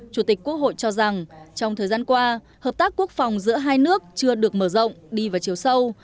chủ tịch quốc hội cho rằng trong thời gian qua hợp tác quốc phòng giữa hai nước chưa được mở rộng đi vào chiều sâu